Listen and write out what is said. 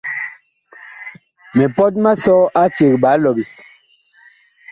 Mipɔt ma sɔ a eceg ɓaa lɔɓe.